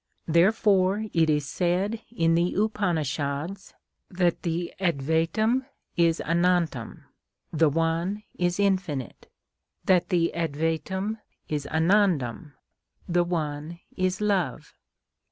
Therefore it is said in the Upanishads that the advaitam is anantam,—"the One is Infinite"; that the advaitam is anandam,—"the One is Love."